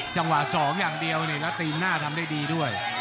จังหวะ๒อย่างเดียวนี่แล้วตีนหน้าทำได้ดีด้วย